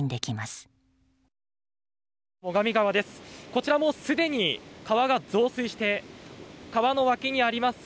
こちらもすでに川が増水して川の脇にあります